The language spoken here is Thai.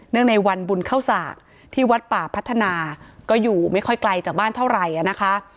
ในวันบุญเข้าสากที่วัดป่าพัฒนาก็อยู่ไม่ค่อยไกลจากบ้านเท่าไหร่นะคะ